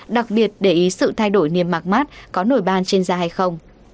đặc biệt để ý sự thay đổi niêm mạc mắt có nổi ban trên da hay không